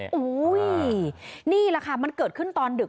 โอ้โหนี่แหละค่ะมันเกิดขึ้นตอนดึก